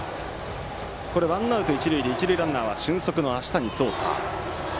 ワンアウト、一塁でランナーは俊足の足谷蒼太。